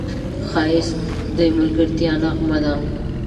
ښایست د ملګرتیا نغمه ده